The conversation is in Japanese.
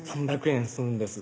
３００円するんです